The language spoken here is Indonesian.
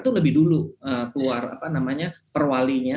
itu lebih dulu keluar perwalinya